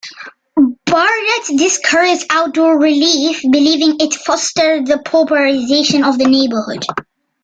Barnett discouraged outdoor relief believing it fostered the pauperisation of the neighbourhood.